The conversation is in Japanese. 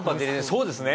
「そうですね」って。